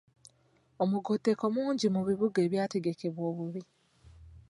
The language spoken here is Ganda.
Omugotteko mungi mu bibuga ebyategekebwa obubi.